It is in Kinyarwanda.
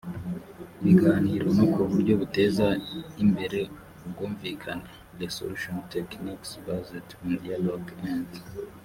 biganiro no ku buryo buteza imbere ubwunvikane resolution techniques based on dialogue and